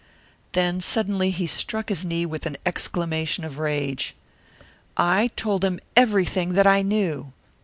Then suddenly he struck his knee with an exclamation of rage. "I told him everything that I knew!